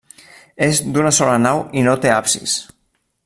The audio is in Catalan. És d'una sola nau i no té absis.